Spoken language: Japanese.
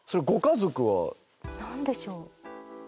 何でしょう。